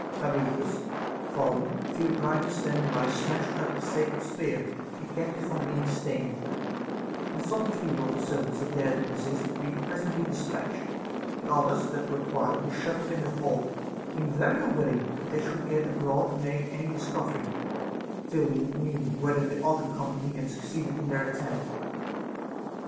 Cabirichus falling, Theocritus standing by snatched up the sacred spear, and kept it from being stained ; and some few of the servants that dared to resist we presently despatched ; the others that were quiet Ave shut up in the hall, being very unwilling that they should get abroad and make any discovery, till we knew whether the other company had succeeded in their attempt.